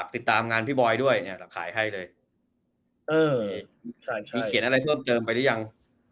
ติดตามงานพี่บอยด้วยแล้วขายให้เลยมีเขียนอะไรเพิ่มเจอไปหรือยัง